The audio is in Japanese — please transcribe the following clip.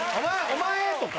お前！とか。